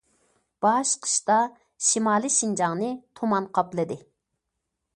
باش قىشتا شىمالىي شىنجاڭنى تۇمان قاپلىدى.